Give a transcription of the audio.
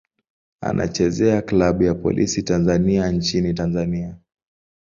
Anachezea klabu ya Polisi Tanzania nchini Tanzania.